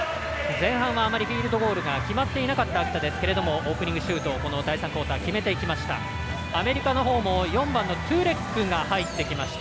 前半はあまりフィールドゴール決まっていなかった秋田オープニングシュートを第３クオーター決めていきました。